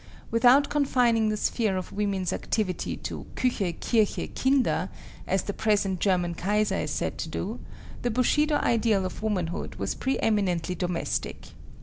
Without confining the sphere of woman's activity to Küche, Kirche, Kinder, as the present German Kaiser is said to do, the Bushido ideal of womanhood was preeminently domestic.